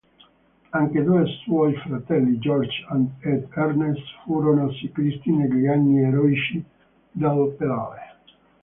Anche due suoi fratelli, Georges ed Ernest, furono ciclisti negli anni eroici del pedale.